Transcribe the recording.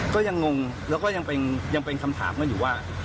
ก็ยังงงแล้วก็ยังเป็นคำถามกันอยู่ว่า